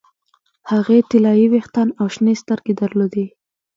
هغې طلايي ویښتان او شنې سترګې درلودې